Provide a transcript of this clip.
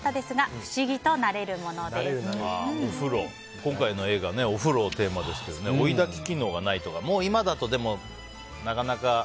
今回の映画ねお風呂がテーマですけど追い焚き機能がないとか今だともうなかなか。